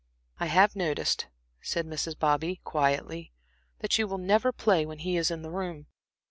"I have noticed," said Mrs. Bobby, quietly, "that you will never play when he is in the room."